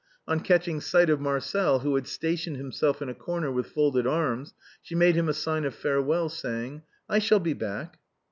On catching sight of Marcel, who had stationed himself in a corner with folded arms, she made him a sign of fare well, saying —" I shall be back."